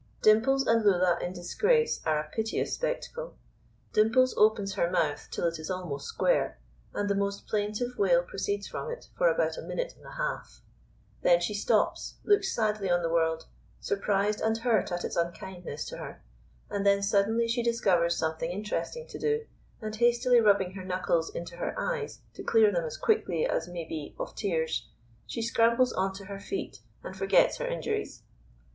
Dimples and Lulla in disgrace are a piteous spectacle. Dimples opens her mouth till it is almost square, and the most plaintive wail proceeds from it for about a minute and a half. Then she stops, looks sadly on the world, surprised and hurt at its unkindness to her, and then suddenly she discovers something interesting to do; and hastily rubbing her knuckles into her eyes to clear them as quickly as maybe of tears, she scrambles on to her feet, and forgets her injuries.